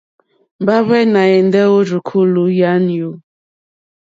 Mbahve nà èndè o rzùkulù yànyu.